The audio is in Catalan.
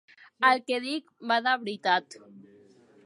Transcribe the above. El que dic, va de veritat.